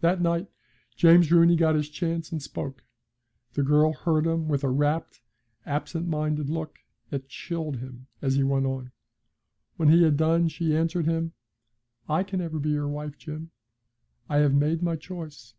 That night James Rooney got his chance and spoke. The girl heard him with a rapt, absent minded look that chilled him as he went on. When he had done she answered him: 'I can never be your wife, Jim. I have made my choice.'